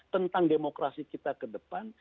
tentang demokrasi kita ke depan